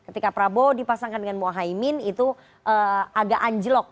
ketika prabowo dipasangkan dengan mohaimin itu agak anjlok